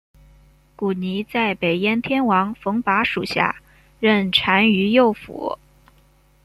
古泥在北燕天王冯跋属下任单于右辅。